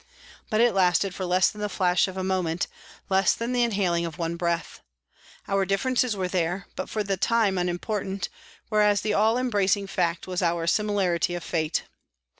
But it lasted for less than the flash of a moment, less than the inhaling of one breath. Our differences were there, but for the time unimportant, whereas the all embracing fact was our similarity of fate.